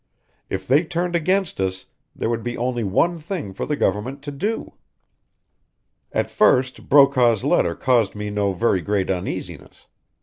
If they turned against us there would be only one thing for the government to do. "At first Brokaw's letter caused me no very great uneasiness.